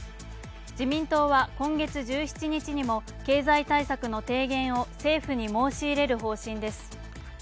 自民党は今月１７日にも経済対策の提言を政府に申し入れる方針です。